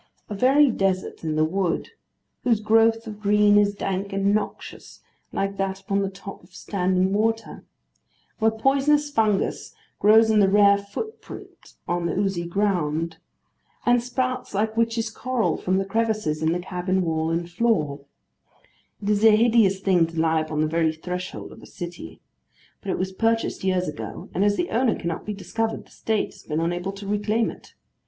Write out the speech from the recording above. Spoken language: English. A very desert in the wood, whose growth of green is dank and noxious like that upon the top of standing water: where poisonous fungus grows in the rare footprint on the oozy ground, and sprouts like witches' coral, from the crevices in the cabin wall and floor; it is a hideous thing to lie upon the very threshold of a city. But it was purchased years ago, and as the owner cannot be discovered, the State has been unable to reclaim it.